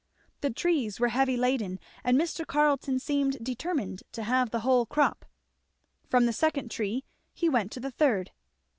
The trees were heavy laden and Mr. Carleton seemed determined to have the whole crop; from the second tree he went to the third.